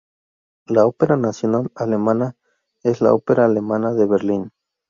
La ópera nacional alemana es la Ópera Alemana de Berlín.